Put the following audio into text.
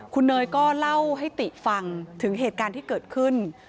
คุณเนยก็เล่าให้ติฟังถึงเหตุการณ์ที่เกิดขึ้น